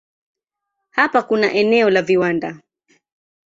Hapa kuna eneo la viwanda.